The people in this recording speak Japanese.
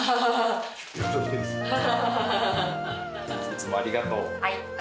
いつもありがとう。